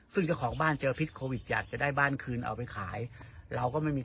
ซึ่งเจ้าของบ้านเจอพิษโควิดอยากจะได้บ้านคืนเอาไปขายเราก็ไม่มี